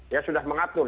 ya sudah mengatur